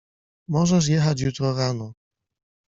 Możesz jechać jutro rano.